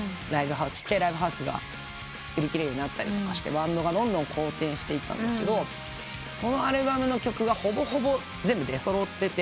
ちっちゃいライブハウスが売り切れるようになったりしてバンドがどんどん好転していったんですけどそのアルバムの曲がほぼほぼ全部出揃ってて。